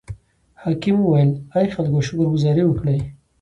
حاکم وویل: ای خلکو شکر ګذاري وکړئ.